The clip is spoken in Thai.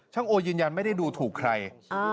โอยืนยันไม่ได้ดูถูกใคร